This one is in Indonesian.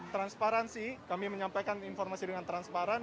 transparansi kami menyampaikan informasi dengan transparan